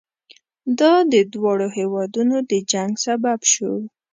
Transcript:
دا د دواړو هېوادونو د جنګ سبب شو.